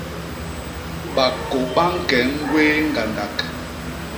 Bakô ba ñke ñgwéé ñgandak.